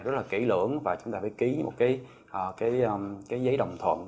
rất là kỹ lưỡng và chúng ta phải ký một cái giấy đồng thuận